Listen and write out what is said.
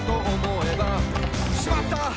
「しまった！